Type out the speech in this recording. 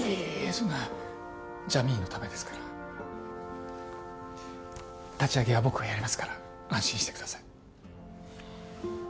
そんなジャミーンのためですから立ち上げは僕がやりますから安心してください